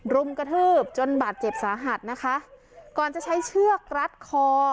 รุมกระทืบจนบาดเจ็บสาหัสนะคะก่อนจะใช้เชือกรัดคอ